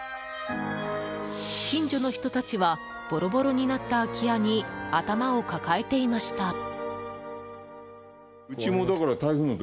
近所の人たちはボロボロになった空き家に頭を抱えていました。